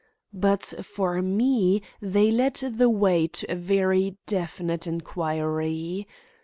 But for me they led the way to a very definite inquiry.